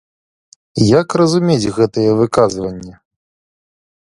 Як разумець гэтае выказванне?